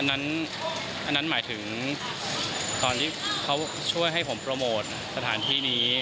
อันนั้นหมายถึงตอนที่เขาช่วยให้ผมโปรโมทสถานที่นี้